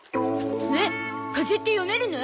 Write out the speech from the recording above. えっ風って読めるの？